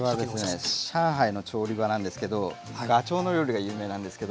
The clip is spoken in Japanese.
これは上海の調理場なんですけどガチョウの料理が有名なんですけど。